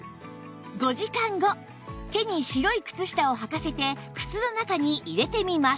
５時間後手に白い靴下を履かせて靴の中に入れてみます